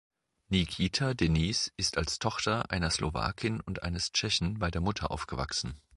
Nikita Denise ist als Tochter einer Slowakin und eines Tschechen bei der Mutter aufgewachsen.